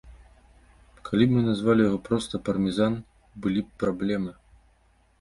Калі б мы назвалі яго проста пармезан, былі б праблемы.